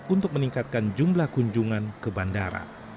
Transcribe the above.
untuk meningkatkan jumlah kunjungan ke bandara